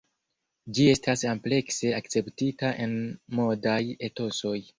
Ĝi estas amplekse akceptita en modaj etosoj.